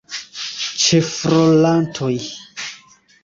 Ĉefrolantoj.